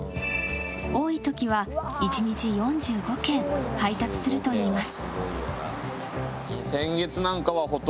多い時は１日４５件配達するといいます。